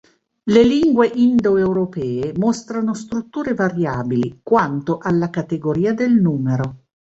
Le lingue indoeuropee mostrano strutture variabili, quanto alla categoria del numero.